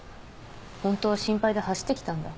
本当は心配で走ってきたんだ。